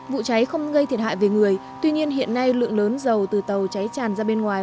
vụ cháy không gây thiệt hại về người tuy nhiên hiện nay lượng lớn dầu từ tàu cháy tràn ra bên ngoài